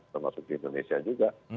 termasuk di indonesia juga